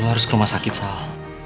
lo harus ke rumah sakit sal